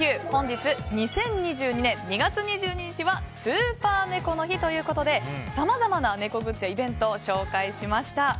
本日、２０２２年２月２２日はスーパー猫の日ということでさまざまな猫グッズやイベントを紹介しました。